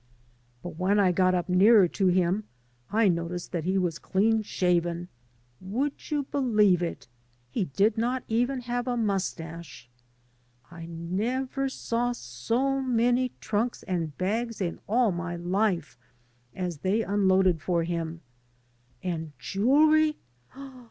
But when I got up nearer to him, I noticed that he was dean shaven. Would you believe it? He did not even have a mustache. I never saw so many trunks and bags in all my life as they unloaded for him. And jewelry!